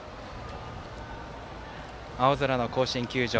青空の甲子園球場。